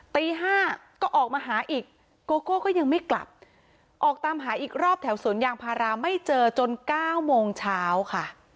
ตี๕ก็ออกมาหาอีกโกโก้ก็ยังไม่กลับออกตามหาอีกรอบแถวสวนยางพาราไม่เจอจน๙โมงเช้าค่ะ